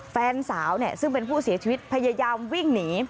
แฟนสาวซึ่งเป็นผู้เสียชีวิตพยายามวิ่งหนี